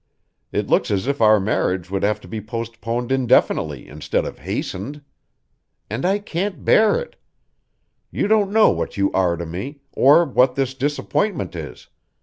It looks as if our marriage would have to be postponed indefinitely instead of hastened. And I can't bear it. You don't know what you are to me, or what this disappointment is.